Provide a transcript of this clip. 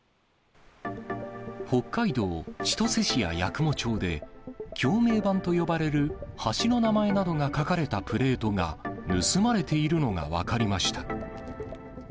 北海道千歳市や八雲町で、橋名板と呼ばれる橋の名前などが書かれたプレートが盗まれているのが分かりました。